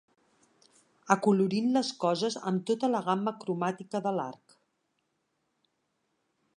Acolorint les coses amb tota la gamma cromàtica de l'arc.